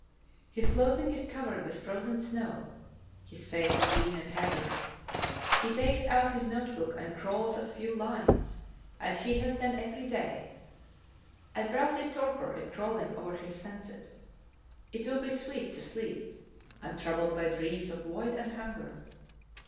His clothing is covered with frozen snow, his face is lean and haggard. He takes out his note book and scrawls a few lines, as he has done every The Northwest Passage 69 day. A drowsy torpor is crawling over his senses. It will be sweet to sleep, untroubled by dreams of void and hunger.